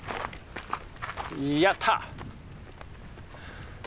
やった。